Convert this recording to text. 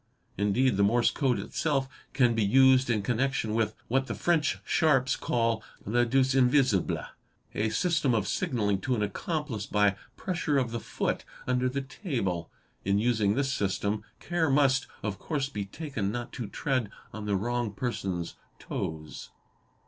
Indeed, the Morse Code itself can be used in connection with what the French sharps call "Le duce invisible', a system of signalling to an accomplice by pressure of the foot under the table. In using this system care must, of course, be taken not to tread on the wrong person's — toes.